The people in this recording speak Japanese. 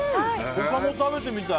他も食べてみたい！